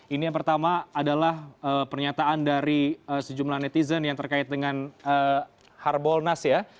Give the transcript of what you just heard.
ini yang pertama adalah pernyataan dari sejumlah netizen yang terkait dengan harbolnas ya